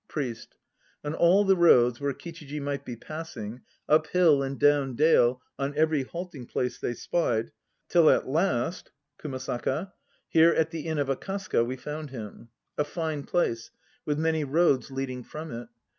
PRIEST. On all the roads where Kichiji might be passing, up hill and down dale on every halting place they spied, till at last KUMASAKA. Here at the Inn of Akasaka we found him, a fine place, with many roads leading from it.